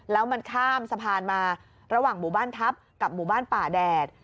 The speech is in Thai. แล้วมันข้ามสะพานมาระหว่างหมู่บ้านทัพกับหมู่บ้านป่าแดด